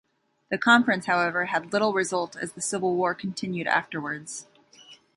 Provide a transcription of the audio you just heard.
The conference, however, had little result as the civil war continued afterwards.